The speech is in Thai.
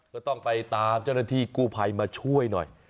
ก็ต้องไปตามเจ้าหน้าที่กู้ภัยมาช่วยหน่อย